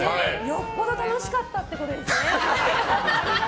よっぽど楽しかったってことですね。